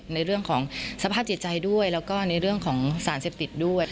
ในเรื่องของสภาพจิตใจด้วยแล้วก็ในเรื่องของสารเสพติดด้วย